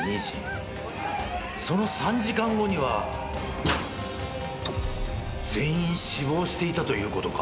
その３時間後には全員死亡していたということか。